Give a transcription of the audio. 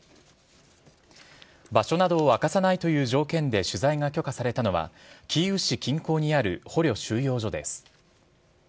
場所などを明かさないという条件で、取材が許可されたのはキーウ市近郊にある捕虜収容所です。